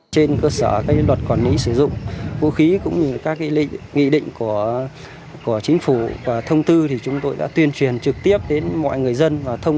trên cơ sở luật quản lý sử dụng vũ khí cũng như các nghị định của chính phủ và thông tư thì chúng tôi đã tuyên truyền trực tiếp đến mọi người dân và thông